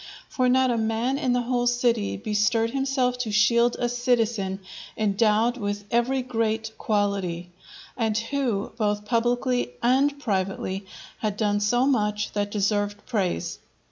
For not a man in the whole city bestirred himself to shield a citizen endowed with every great quality, and who, both publicly and privately, had done so much that deserved praise.